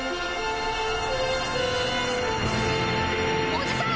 おじさん！